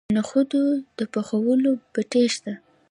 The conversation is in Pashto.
د نخودو د پخولو بټۍ شته.